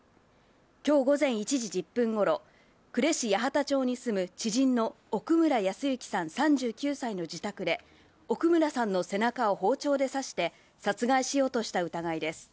今日午前１時１０分頃、呉市八幡町に住む知人の奥村康之さん３９歳の自宅で奥村さんの背中を包丁で刺して殺害しようとした疑いです。